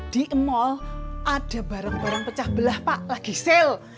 di emol ada bareng bareng pecah belah pak lagi sale